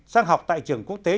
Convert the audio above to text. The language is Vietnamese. sang học tại trường quốc tế